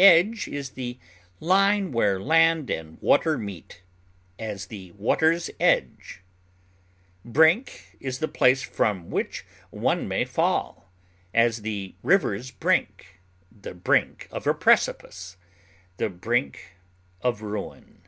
Edge is the line where land and water meet; as, the water's edge. Brink is the place from which one may fall; as, the river's brink; the brink of a precipice; the brink of ruin.